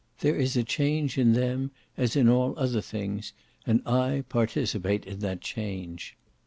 There is a change in them as in all other things, and I participate that change.